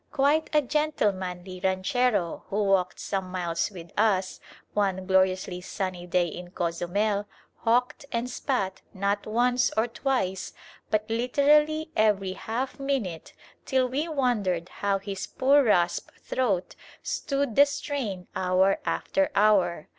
Quite a gentlemanly ranchero who walked some miles with us one gloriously sunny day in Cozumel hawked and spat, not once or twice, but literally every half minute till we wondered how his poor rasped throat stood the strain hour after hour.